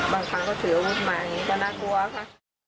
บางครั้งก็ถืออาวุธใหม่ก็น่ากลัวค่ะ